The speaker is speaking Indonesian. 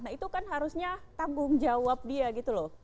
nah itu kan harusnya tanggung jawab dia gitu loh